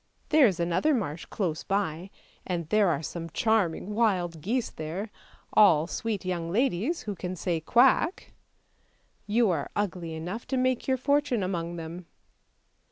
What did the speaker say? There is another marsh close by, and there are some charming wild geese there; all sweet young ladies, who can say quack! You are ugly enough to make your fortune among them."